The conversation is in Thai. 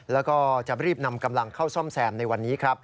แล้วก็จะรีบนำกำลังเข้าซ่อมแซมในวันนี้ครับ